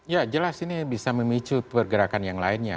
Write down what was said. ya jelas ini bisa memicu pergerakan yang lainnya